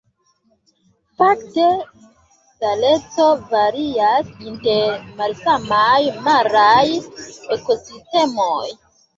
Fakta saleco varias inter malsamaj maraj ekosistemoj.